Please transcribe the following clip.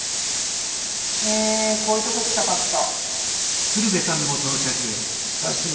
へえこういうとこ来たかった。